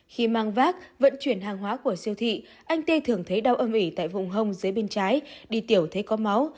khi mang vác vận chuyển hàng hóa của siêu thị anh tê thường thấy đau âm ỉ tại vùng hông dưới bên trái đi tiểu thấy có máu